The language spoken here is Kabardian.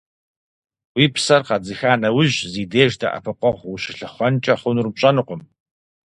Уи псэр къэдзыха нэужь, зи деж дэӀэпыкъуэгъу ущылъыхъуэнкӀэ хъунур пщӀэнукъым.